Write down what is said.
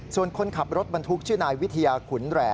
ส่วนคนขับรถบรรทุกชื่อนายวิทยาขุนแหล่